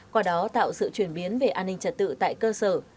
qua đó tạo sự chuyển biến về an ninh trật tự tại cơ sở